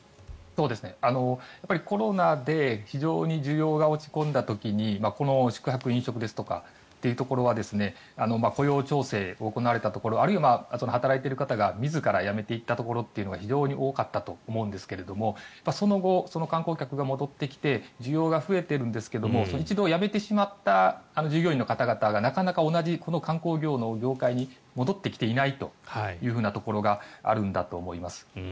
コロナで非常に需要が落ち込んだ時に宿泊・飲食というところは雇用調整が行われたところあるいは働いている方が自ら辞めていったところが非常に多かったと思うんですけれどもその後、観光客が戻ってきて需要が増えてるんですが一度辞めてしまった従業員の方々がなかなか同じ観光業の業界に戻ってきていないというところがあるんだと思います。